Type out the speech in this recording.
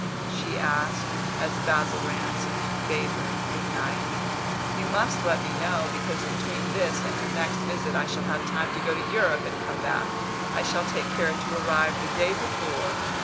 she asked, as Basil Ransom bade her good night. "You must let me know, because between this and your next visit I shall have time to go to Europe and come back. I shall take care to arrive the day before."